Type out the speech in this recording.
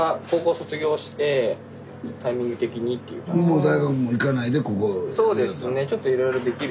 もう大学も行かないでここやったの？